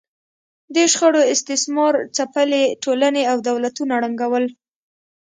دې شخړو استثمار ځپلې ټولنې او دولتونه ړنګول